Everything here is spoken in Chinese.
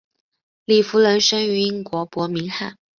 李福仁生于英国伯明翰。